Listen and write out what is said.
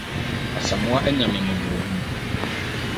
Asamoa anya me mmɔborɔhunu.